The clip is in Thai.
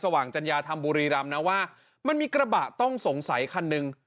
ว่ามันมีกระบะต้องสงสัยครั้งนึง